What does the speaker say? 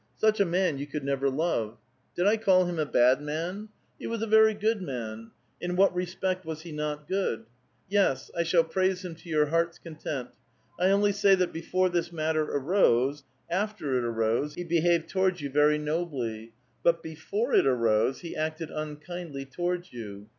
Such a man you could never love. Did I call him a bad man ? He was a very good man ; in what respect was he not good ? Yes, I shall praise him to your heart's content. I only say that before tliis matter arose : after it arose, he behaved towards you very nobly ; but before it arose, he acted unkindly towards you.